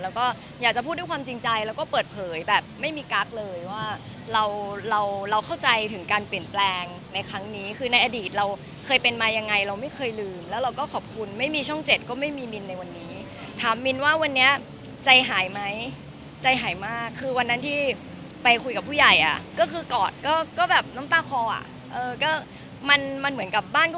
แล้วก็อยากจะพูดด้วยความจริงใจแล้วก็เปิดเผยแบบไม่มีกั๊กเลยว่าเราเราเข้าใจถึงการเปลี่ยนแปลงในครั้งนี้คือในอดีตเราเคยเป็นมายังไงเราไม่เคยลืมแล้วเราก็ขอบคุณไม่มีช่องเจ็ดก็ไม่มีมินในวันนี้ถามมินว่าวันนี้ใจหายไหมใจหายมากคือวันนั้นที่ไปคุยกับผู้ใหญ่อ่ะก็คือกอดก็ก็แบบน้ำตาคออ่ะเออก็มันมันเหมือนกับบ้านก็